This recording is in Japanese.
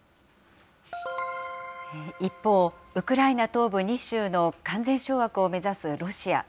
一方、ウクライナ東部２州の完全掌握を目指すロシア。